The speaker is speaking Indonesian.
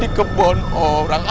di kebun orang